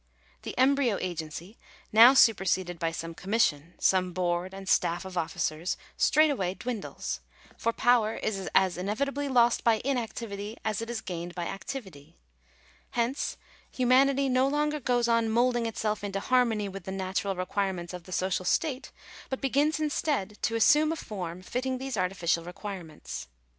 The embryo agency now super seded by some commission — some board and staff of officers, straightway dwindles ; for power is as inevitably lost by inac tivity as it is gained by activity. Hence, humanity no longer Digitized by VjOOQIC 282 THE LIMIT OF STATE DUTY. goes on moulding itself into harmony with the natural require ments of the social state; hut begins, instead, to assume a form fitting these artificial requirements.